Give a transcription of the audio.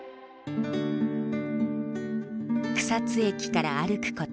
草津駅から歩くこと数分。